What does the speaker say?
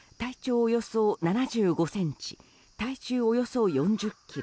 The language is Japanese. およそ７５ｃｍ体重およそ４０ｋｇ